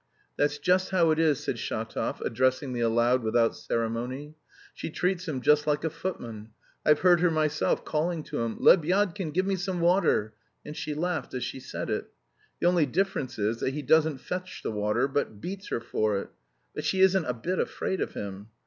"That's just how it is," said Shatov, addressing me aloud without ceremony. "She treats him just like a footman. I've heard her myself calling to him, 'Lebyadkin, give me some water!' And she laughed as she said it. The only difference is that he doesn't fetch the water but beats her for it; but she isn't a bit afraid of him.